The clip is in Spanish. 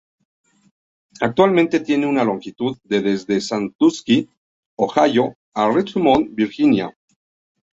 Actualmente tiene una longitud de desde Sandusky, Ohio a Richmond, Virginia.